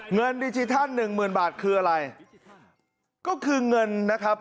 เงินดิจิทัลหนึ่งหมื่นบาทคืออะไรก็คือเงินนะครับ